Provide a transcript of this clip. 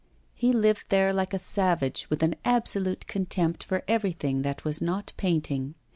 He lived there like a savage, with an absolute contempt for everything that was not painting.